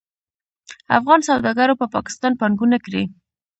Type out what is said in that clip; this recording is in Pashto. افغان سوداګرو په پاکستان پانګونه کړې.